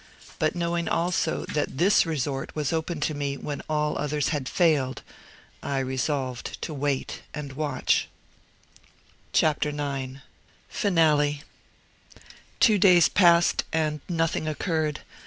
But knowing also that THIS resort was open to me when all others had failed, I resolved to wait and watch. IX FINALE Two days passed, and nothing occurred.